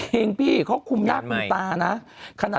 พี่เขาคุมหน้าคุมตานะ